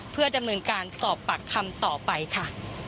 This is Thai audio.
เพื่อดำเนินการสอบปากคำต่อไปค่ะ